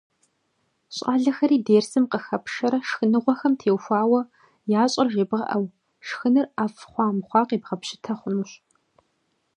Щӏалэхэри дерсым къыхэпшэрэ шхыныгъуэхэм теухуауэ ящӏэр жебгъэӏэу, шхыныр ӏэфӏ хъуа-мыхъуа къебгъэпщытэ хъунущ.